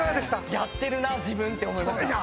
やってるな自分って思いました。